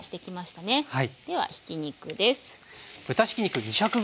ではひき肉です。